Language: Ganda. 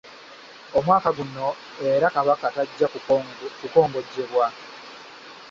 Omwaka guno era Kabaka tajja kukongojjebwa.